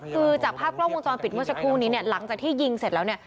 คือจากภาพกล้องวงจรปิดเมื่อสักครู่นี้เนี่ยหลังจากที่ยิงเสร็จแล้วเนี่ย